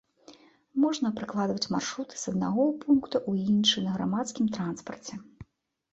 Можна пракладваць маршруты з аднаго пункта ў іншы на грамадскім транспарце.